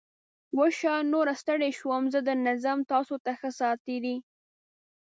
وشه. نوره ستړی شوم. زه درنه څم. تاسو ته ښه ساعتېری!